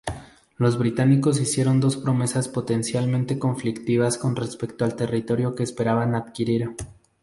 Los británicos hicieron dos promesas potencialmente conflictivas con respecto al territorio que esperaban adquirir.